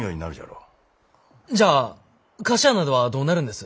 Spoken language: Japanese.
じゃあ菓子屋などはどうなるんです？